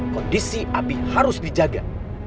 kondisi abi harus dijaga